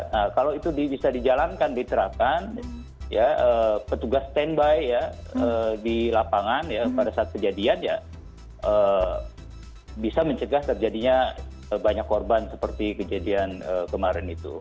nah kalau itu bisa dijalankan diterapkan petugas standby ya di lapangan ya pada saat kejadian ya bisa mencegah terjadinya banyak korban seperti kejadian kemarin itu